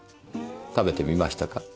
食べてみましたか？